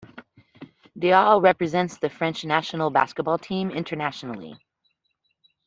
Diaw represents the French national basketball team internationally.